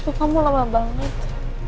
kok kamu lama banget